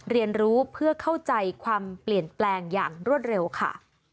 เรียนรู้เพื่อเข้าใจความเปลี่ยนแปลงอย่างรวดเร็วค่ะ